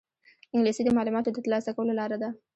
انګلیسي د معلوماتو د ترلاسه کولو لاره ده